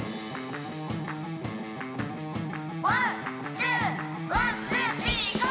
「ワンツーワンツースリーＧＯ！」